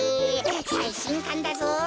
さいしんかんだぞ。